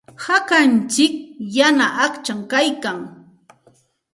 Hakantsik yana aqcham kaykan.